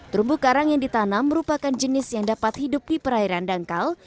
terumbu karang yang ditanam merupakan jenis yang dapat hidup di perairan dangkal